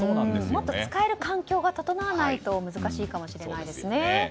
もっと使える環境が整わないと難しいかもしれないですね。